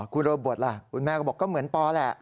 คุณรสบวทล่ะกอบกก็บอกเหมือนปอแล้ว